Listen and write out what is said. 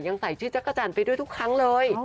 ใส่ชื่อจักรจันทร์ไปด้วยทุกครั้งเลย